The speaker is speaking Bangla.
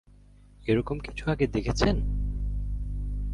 এরকম কিছু আগে দেখেছেন?